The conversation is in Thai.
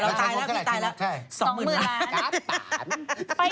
เราตายแล้วพี่ตายแล้วใช่